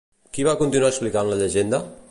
Qui va continuar explicant la llegenda?